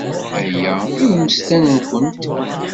Aya i ummesten-nwent.